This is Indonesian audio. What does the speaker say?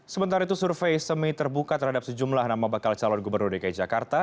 sementara itu survei semi terbuka terhadap sejumlah nama bakal calon gubernur dki jakarta